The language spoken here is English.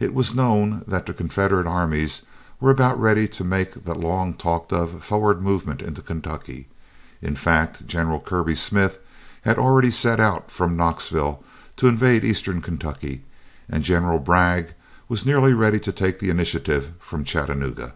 It was known that the Confederate armies were about ready to make the long talked of forward movement into Kentucky. In fact, General Kirby Smith had already set out from Knoxville to invade Eastern Kentucky, and General Bragg was nearly ready to take the initiative from Chattanooga.